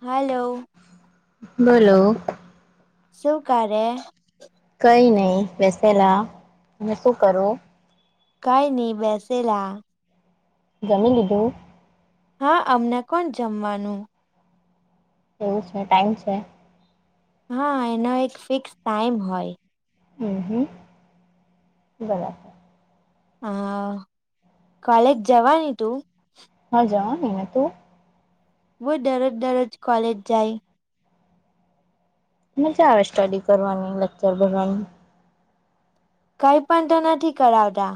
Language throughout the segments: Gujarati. હલો બોલો શુંકારે કઈ નહીં વેસે લા હ શું કરું, કઈ ન બેસેલા, જમી લીધું. હા અમને કોણ જમવાનું એવું છે ટાઈમ છે. હા એનો એક ફિક્સ ટાઈમ હોય. હમ હમ બરાબર હ કોલેજ જવાની તું, હા જવાની તું બહ દરરોજ દરરોજ કોલેજ જાય. મજા આવે સ્ટડી કરવાની લેક્ચર ભરવાની કઈ પણ તો નથી કરાવતા.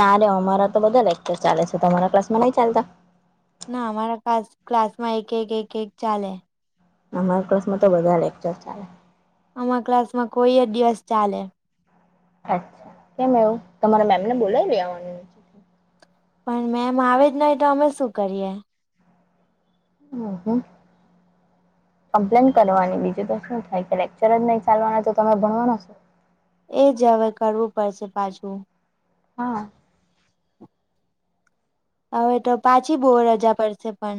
ના રે અમારા તો બધા લેકચર ચાલે છે તમારા ક્લાસ માં નઈ ચાલતા ના અમારા ક ક્લાસ માં એક એક એક ચાલે અમારા ક્લાસ માં તો બધા લેક્ચર ચાલે આમા ક્લાસ માં કોઈ જ દિવસ ચાલે અચ્છા કેમ એવું તમારા મેમને બોલાવી ગવા. પણ મેમ આવે જ નહી તો અમે શું કરીએ હ હ કમ્પ્લેન કરવાની બીજું તો શું થાય કે લેક્ચર જ નહી ચાલવાના તો તમે ભણવાના છો. એ જ હવે કરવું પડશે પાછું. હા હવે તો પાછી બહુ રજા પડશે પણ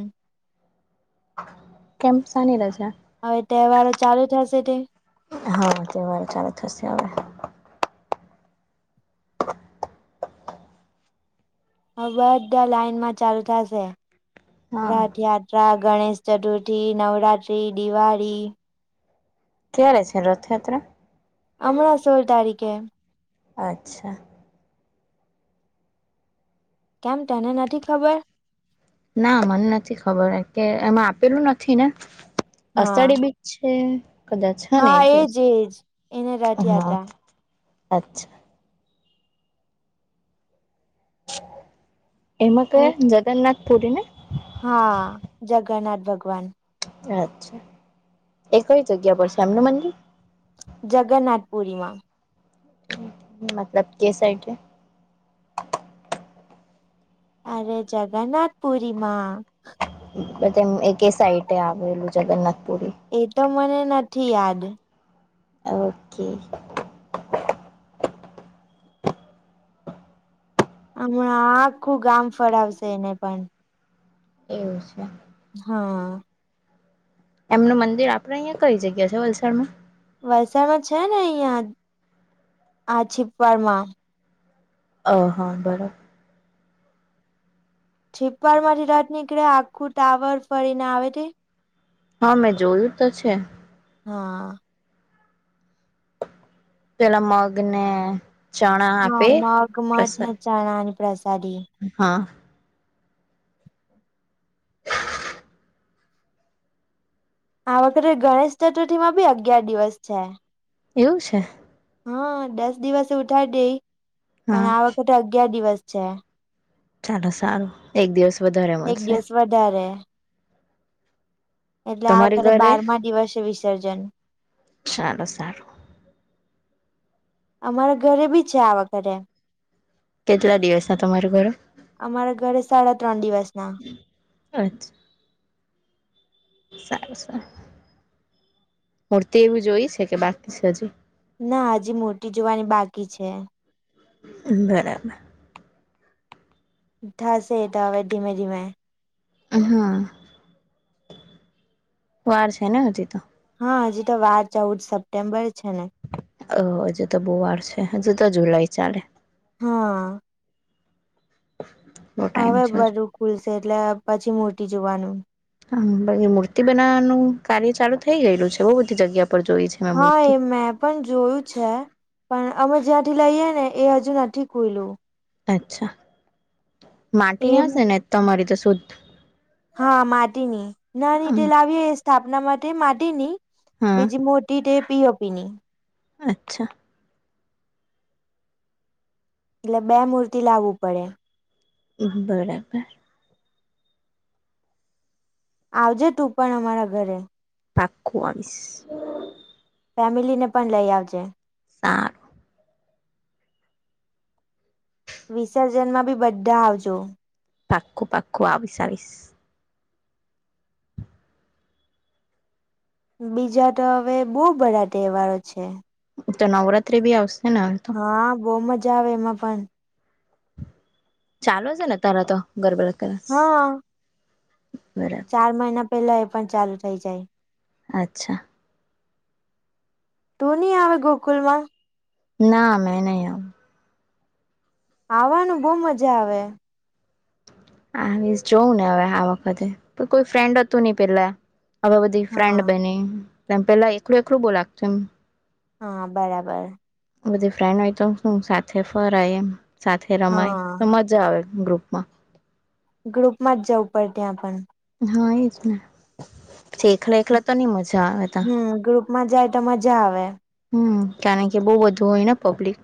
કેમ સાની રજા હવે તહેવારો ચાલુ થશે તે હા તેવાર ચાલુ થશે હવે હ બધા લાઈનમાં ચાલુતાશે હા રાઠયાાર ટા ગણેશ ચતુર્થી નવરાત્તિ દિવાળી ક્યારે છે રથયાત્રા હમણાં સોળ તારીખે અચ્છા કેમ તેને નથી ખબર ના મને નથી ખબર કે એમાં આપેલું નથી ને હા અષાઢી બી છે કદાચ હ ને હા એ દિવસ એજ એજ એને હા રથયાત્રા અચ્છા એમાં ક જગન્નાથ પુરી ને હા જગન્નાથ ભગવાન અચ્છા એ કઈ જગ્યા પરશે એમનું મંદિ જગન્નાથપુરીમાં મતલબ કે સાઈડ અરે જગન્નાથ પૂરિમા એક સાઇટે આવેલું જગન્નાથપુરી એતો મને નથી યાદ ઓકે હમણા આખું ગામ ફળાવશે એને પણ એવું છે. હા એમનું મંદિર આપડે અહિયાં કઈ જગ્યા છે? વલસાડ માં વલસાડમાં છે, ને અહિયાં આ છીપવાડ માં ઓ હા બરોબર છીપવાડ માંથી રાતે નીકળે આખું ટાવર ફરીને આવે હા મેં જોયું તો છે. હા પેલા મગ ને ચણા હા આપે મગ મઠ ને પ્રસાદ ચણાની પ્રસાદી હા આ વખતે ગણેશ ચતુર્થી માં ભી અગિયાર દિવસ છે. એવું છે. હા દસ દિવસે ઉઠાવી દેઈ પણ હા આ વખતે અગિયાર દિવસ છે. ચાલો સારું એક દિવસ વધારે એક મળશે દિવસ વધારે એટલે આ તમારી વખરે ઘરે બારમા દિવસે વિસર્જન સારું સારું અમારા ઘરે બી છે, આ વખતે કેટલા દિવસ ના તમારે ઘરે અમારા ઘરે સાડા ત્રણ દિવસ ના. અચ્છ સારું સારું મૂર્તિ એવી જોઈ છે કે બાકી છે હજી? ના હજી મૂર્તી જોવાની બાકી છે. બરાબર. થશે એ તો હવે ધીમે ધીમે. હા વાર છે ને હજી તો. હા હજી તો વાર ચૌદ સપ્ટેમ્બર છે ને. હવ હજુ તો બહુ વાર છે હજુ તો જુલાઈ ચાલે. હા. હ હવે બધું ખુલશે એટલે પછી મોટી જોવાનું. હા બાકી મૂર્તિ બનાવાનું કાર્ય ચાલુ થઇ ગયેલું છે બહુ બધી જગ્યા પર જોઈ છે. મેં હા મૂર્તિ એ મેપ પણ જોયું છે પણ અમે જ્યાંથી લઈએ ને એ હજુ નથી ખુય્લુ. અચ્છા એ માટીની આવશે ને તમારી તો શુદ્ધ. હા માટી ની નાની તે લાવીએ સ્થાપના માટે માટીની હા બીજી મોટ ટી તે પીઓપી ની અચ્છા. એટલે બે મૂર્તિ લાવવું પડે. અહમ બરાબર. આવજે તું પણ અમારા ઘરે. પાકું આવીશ. ફેમિલી ને પણ લઈ આવજે. સા વિસર્જનમાં બી બધા આવજો. પાકું પાકું આવીશ આવીશ. બીજા તો હવે બહુ બધા તહેવારો છે. તો નવરાત્રી બી આવશે ને. તો હા બહુ મજા આવે એમાં પણ. ચાલો છે ને અતારા તો ગરબડ ક્લાસ હા બરા ચાર મહિના પેલા એ પણ ચાલુ થઇ જાય. અચ્છા. તુ નય આવે ગોકુલ માં. ના મેં નહી આવુ. આવવાનું બઉ મજા આવે. આવીશ જોવું ને હવે આ વખતે તો કોઈ ફ્રેન્ડ હતું નઈ પેલા. હવે બધી ફ્રેન્ડ હા બની તેમ પેલા એકલું એકલું બો લાગતું મ. હા બરાબર. બધી ફ્રેન્ડ હોય તો હુ સાથે ફરાય એમ સાથે રમાય હા તો મજા આવે એમ ગ્રુપમાં. ગ્રુપમાં જ જવું પડે ત્યાં પન. હા એ જ ને છેક હમ ગ્રુપમાં જાય તો મજા આવે. હમ કારણ કે બઉ બધું હોય ને પબ્લિક.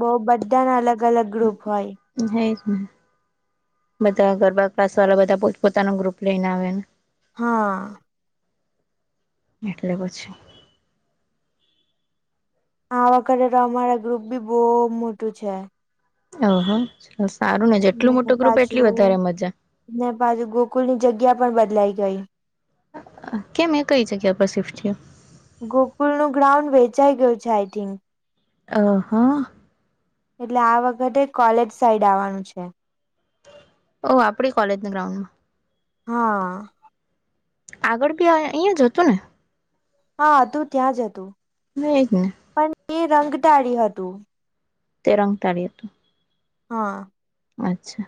બઉ બધાનાં અલગ અલગ ગ્રુપ હોય. રેયજ ને. બધા ગરબા ક્લાસ વાલા બધાં પોત પોતાનું ગ્રુપ લઈને આવેને. હા. એટલે પછી. આ વખતે તો અમારા ગ્રુપબી બો મોટું છે. ઓહો સારું ને જેટલું મોટું ગ્રુપ એટલી વધારે મજા. ને પાછી ગોકુલની જગ્યા પણ બદલાઈ ગઈ. કેમ એ કઈ જગ્યા પર શિફ્ટ થયું. ગોકુલ નું ગ્રાઉન્ડ વેચાઈ ગયું છે આઈ થિંક. અ હા. એટલે આ વખતે કોલેજ સાઈડ આવવાનું છે. ઓહ આપણી કોલેજના ગ્રાઉન્ડમાં હા. આગળ બી આયા અહીયાં જ હતું ને. હા હતું ત્યાં જ હતું. એજ ને પણ એ રંગ ટાળી હતું. તે રંગ ટાળી હતું. હા. અચ્છા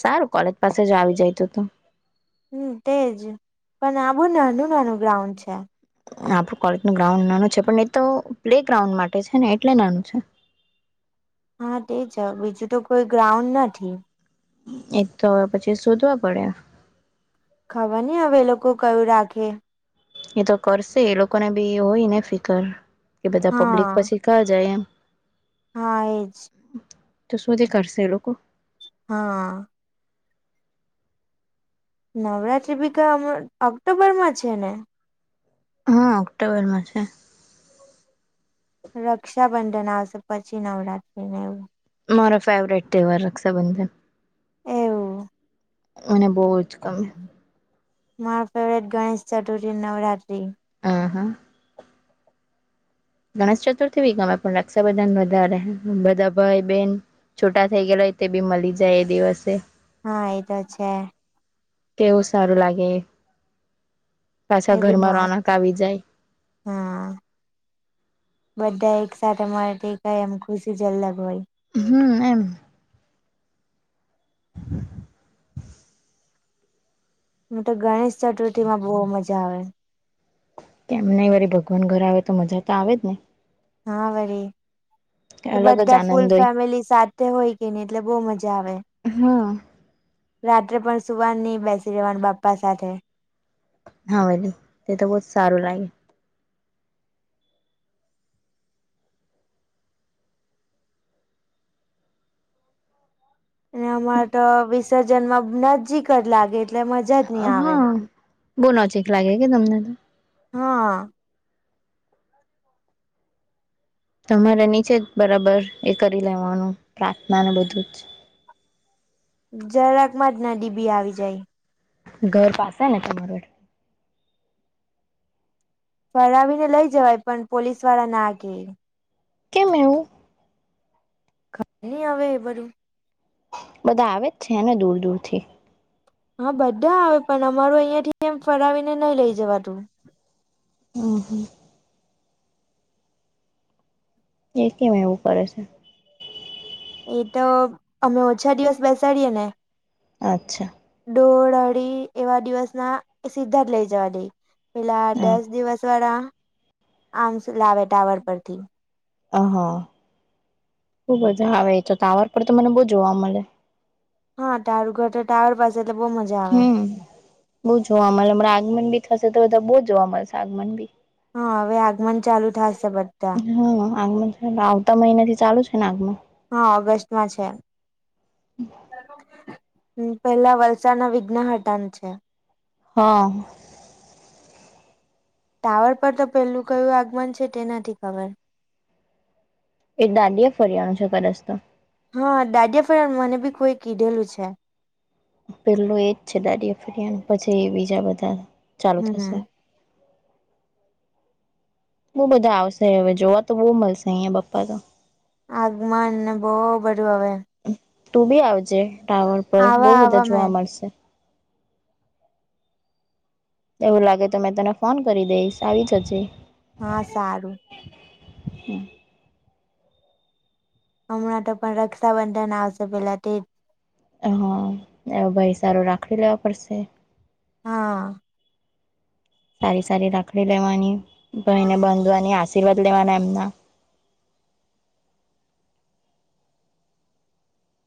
સારું કોલેજ પાસે જ આવી જાય તો તો. હમ તેજ પણ આ બો નાનું નાનું ગ્રાઉન્ડ છે. આપણું કોલેજનું ગ્રાઉન્ડ નાનું છે પણ એ તો પ્લે ગ્રાઉન્ડ માટે છે ને એટલે નાનું છે. હા તે જ બીજું તો કોઈ ગ્રાઉન્ડ નથી. એ તો હવે પછી શોધવા પડે. ખબર નઈ હવે એ લોકો કયું રાખે. એ તો કરશે એ લોકોને બી હોય ને ફિકર કે બધાં પબ્લિક હા પછી કા જાય એમ. હા એજ. તો શું તે કરશે એ લોકો. હા. નવરાત્રી ભી કયા ઓક્ટોબરમાં છે. ને. હા ઓક્ટોબરમાં છે. રક્ષાબંધન આવશે પછી નવરાત્રી ને એવું. મારો ફેવરેટ ત્યોહાર રક્ષાબંધન. એવું મને બહું જ ગમે. મારો ફેવરેટ ગણેશ ચતુર્થી, નવરાત્રી. આ હા. ગણેશ ચતુર્થી બી ગમે પણ રક્ષાબંધન વધારે બધાં ભાઈ બેન. છૂટા થઇ ગયાલા હોય તે બી મળી જાય એ દિવસે. હા એતો છે. કેવું સારું લાગે એ પાછા બી ઘરમાં મસ્ત રોનક આવી જાય. હા બધા એકસાથ મળે દટેકાય એમ ખુશી જ અલગ હોય. હુ એમ. હમ [unintelligible] હું તો ગણેશ ચતુર્થી માં બહુ મજા આવે. કેમ ન વરી ભગવાન ઘર આવે તો મજા તો આવે જ ને. હા વરી. અલગ જ બધા ફૂલ આનંદ હોય ફેમિલી સાથે હોય કે નહિ એટલે બહુ મજા આવે. હા રાત્રે પણ સુવાન નહી બેસી રહેવાનું બાપ્પા સાથે. હાવે તે તો બહુ જ સારું લાગે. અને અમારે તો વિસર્જનમાં નજીક જ લાગે એટ. હા બહ નજીક લાગે કે તમને તો હા. તમારે નીચે જ બરાબર એ કરી લેવાનું પ્રાર્થના ને બધું જ. જરાક માં જ ના દડી બી આવી જાય ઘર પાસે ને તમારે ફરાવીને લઈ જવાય પણ પોલીસ વાળા ના કે કેમ એવું ખબર નહી આવે એ બધું બધા આવે જ છે ને દૂર દૂરથી હા બધા આવે પણ અમારું અહિયાયા થી એમ ફરાવીને નહી લઈ જવા તું હમ્મ હમ્મ એ કેમ એવું કરે છે એ તો અમે ઓછા દિવસ બેસાડીએે ને અચ્છા ડોળ અડી એવા દિવસના એ સીધા જ લઇ જવા દઈ પેલા દસ હા દિવસ વાળા આમ લાવે ટાવર પરથી હા ખુબજા હવે એ તો તાવર પર તો મને બહ જોવા મળે હા ટારુ ઘર તો ટાવર પાસે એટલે બહુ મજા આવે હમ બહુ જોવા મળે હમણાં આગમન બી થશે તો બધા બહુ જોવા મળશે આગમન બી હા હવે આગમન ચાલુ થશે બધા [unintelligible] આવતા મહિના થી ચાલુ છે ને આગમાં હા ઓગસ્ટમાં છે હ પેલા વલસાડ ના વિઘ્નહટાનુ છે હા ટાવર પર તો પેલું કયું આગમન છે તે નથી ખબર એ દાડી એ ફરિયાનું છે કદાચ તો હા દાડીયા ફડિયા નુ મને ભી કોઈ કીધેલું છે પેલું એજ છે દાડી ફળિયા પછી એ બીજા બધા ચાલુ હમ થશે બો બધા આવશે હવે જોવા તો બહુ મળશે અહિયાયા બપ્પા તો આગમનને બો બધું હવે તું બી આવજે ટાવર પર બઉ આવા બધા આવા મેં જોવા મળશે એવું લાગે તો મેં તને ફોન કરી દઈશ આવી જ જે હા સારું હમણાં તો પણ રક્ષાબંધન આવશે પેલા તે જ હા એ ભાઈ સારી રાખડી લેવા પડશે હા સારી સારી રાખડી લેવાની ભાઈ ને બાંધવાની આશીર્વાદ લેવાના એમના